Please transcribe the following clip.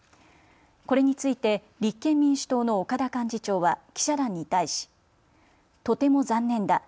これについて立憲民主党の岡田幹事長は記者団に対しとても残念だ。